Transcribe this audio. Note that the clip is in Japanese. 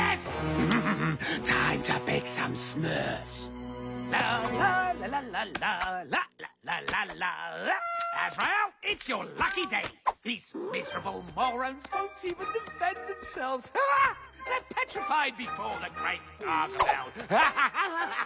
ウハハハハ！